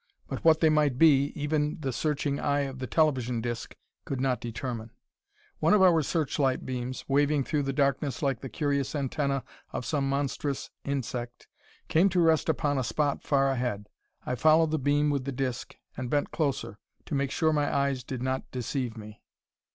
But what they might be, even the searching eye of the television disc could not determine. One of our searchlight beams, waving through the darkness like the curious antenna of some monstrous insect, came to rest upon a spot far ahead. I followed the beam with the disc, and bent closer, to make sure my eyes did not deceive me.